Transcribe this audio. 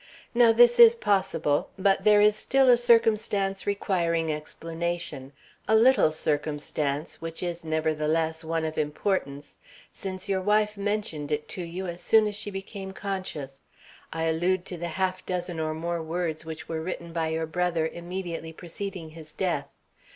Now this is possible; but there is still a circumstance requiring explanation; a little circumstance, which is, nevertheless, one of importance, since your wife mentioned it to you as soon as she became conscious. I allude to the half dozen or more words which were written by your brother immediately preceding his death.